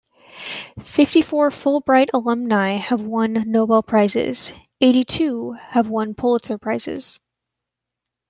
Fifty-four Fulbright alumni have won Nobel Prizes; eighty-two have won Pulitzer Prizes.